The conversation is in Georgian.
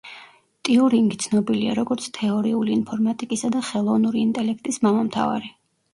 ტიურინგი ცნობილია, როგორც თეორიული ინფორმატიკისა და ხელოვნური ინტელექტის მამამთავარი.